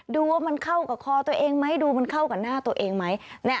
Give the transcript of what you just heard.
ดูว่ามันเข้ากับคอตัวเองไหมดูมันเข้ากับหน้าตัวเองไหม